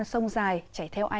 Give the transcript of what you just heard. suốt đời thơ